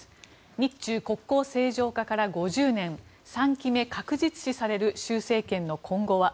日中国交正常化から５０年３期目確実視される習政権の今後は？